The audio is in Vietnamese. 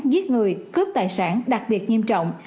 giết người cướp tài sản đặc biệt nghiêm trọng